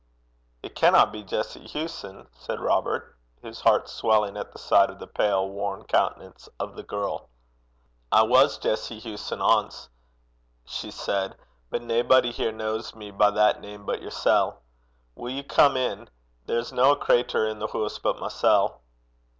'It canna be Jessie Hewson?' said Robert, his heart swelling at the sight of the pale worn countenance of the girl. 'I was Jessie Hewson ance,' she said, 'but naebody here kens me by that name but yersel'. Will ye come in? There's no a crater i' the hoose but mysel'.'